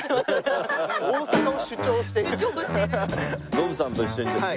信さんと一緒にですね。